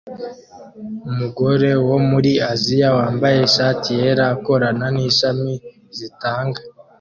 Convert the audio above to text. Umugore wo muri Aziya wambaye ishati yera akorana nimashini zitanga